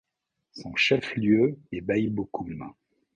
Son chef-lieu est Baïbokoum.